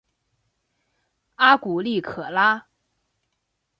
阿古利可拉。